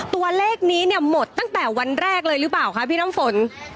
ตัวเลขนี้เนี่ยหมดตั้งแต่วันแรกเลยหรือเปล่าคะพี่น้ำฝน